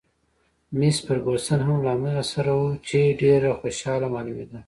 مس فرګوسن هم له هغې سره وه، چې ډېره خوشحاله معلومېده.